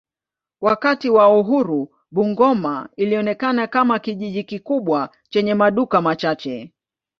Wakati wa uhuru Bungoma ilionekana kama kijiji kikubwa chenye maduka machache.